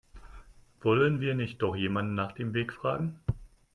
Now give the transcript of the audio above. Wollen wir nicht doch jemanden nach dem Weg fragen?